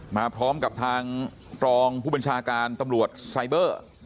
มาพร้อมกับทางรองผู้บัญชาการตำรวจไซเบอร์